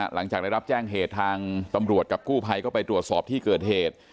หลังจากได้รับแจ้งเหตุทางตำรวจกับกู้ภัยก็ไปตรวจสอบที่เกิดเหตุ